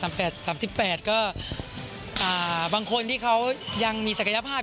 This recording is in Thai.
สามสิบแปดสามสิบแปดก็บางคนที่เขายังมีศักยภาพ